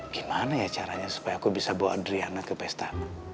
gimana ya caranya supaya aku bisa bawa adriana ke pesta